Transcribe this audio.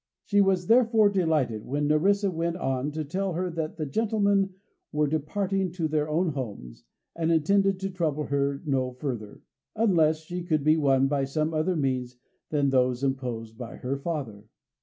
She was therefore delighted when Nerissa went on to tell her that the gentlemen were departing to their own homes, and intended to trouble her no further, unless she could be won by some other means than those imposed by her father.